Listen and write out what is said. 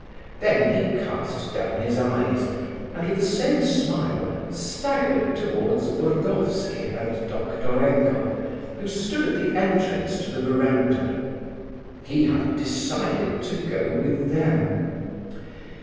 Then he cast down his eyes, and with the same smile, staggered towards Burdovsky and Doktorenko, who stood at the entrance to the verandah. He had decided to go with them.